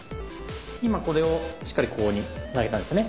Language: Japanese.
今これをしっかりここにつなげたんですよね。